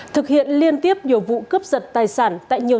thực hiện liên tiếp nhiều vụ cướp giật tài sản tại nhiều